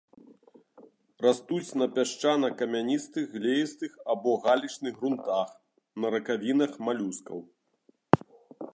Растуць на пясчвна-камяністых, глеістых або галечных грунтах, на ракавінах малюскаў.